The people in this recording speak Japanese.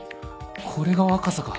これが若さか